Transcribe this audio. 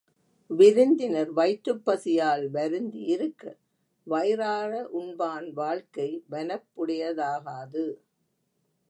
விருந்தினர் வயிற்றுப் பசியால் வருந்தியிருக்க, வயிறார உண்பான் வாழ்க்கை வனப்புடையதாகாது.